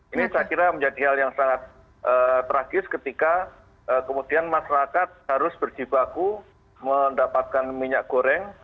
ini saya kira menjadi hal yang sangat tragis ketika kemudian masyarakat harus berjibaku mendapatkan minyak goreng